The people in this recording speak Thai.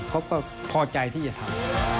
เขาก็พอใจที่จะทำ